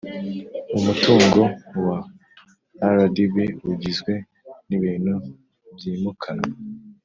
Umutungo wa rdb ugizwe n ibintu byimukanwa